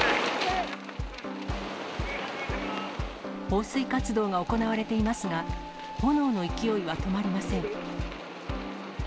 放水活動が行われていますが、炎の勢いは止まりません。